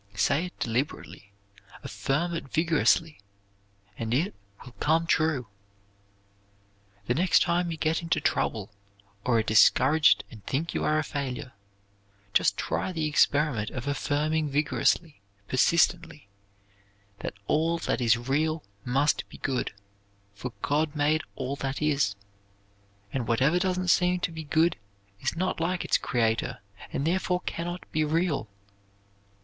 Say it deliberately, affirm it vigorously and it will come true. The next time you get into trouble, or are discouraged and think you are a failure, just try the experiment of affirming vigorously, persistently, that all that is real must be good, for God made all that is, and whatever doesn't seem to be good is not like its creator and therefore can not be real.